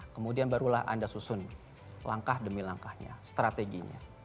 kemudian barulah anda susun langkah demi langkahnya strateginya